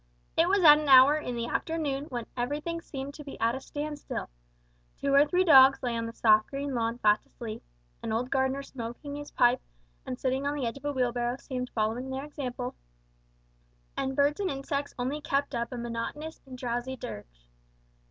It was at an hour in the afternoon when everything seemed to be at a standstill: two or three dogs lay on the soft green lawn fast asleep, an old gardener smoking his pipe and sitting on the edge of a wheelbarrow seemed following their example; and birds and insects only kept up a monotonous and drowsy dirge.